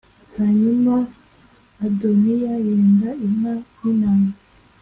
Hanyuma Adoniya yenda inka n’intama